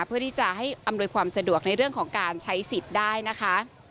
เพื่อที่จะให้อำนวยความสะดวกในเรื่องของการใช้สิทธิ์ได้นะคะ